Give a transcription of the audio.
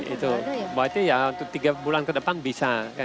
itu berarti ya untuk tiga bulan ke depan bisa